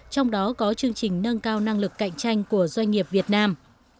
trong đó có chương trình nâng cao năng lực cạnh tranh của doanh nghiệp việt nam